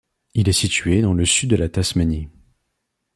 Il est situé dans le sud de la Tasmanie.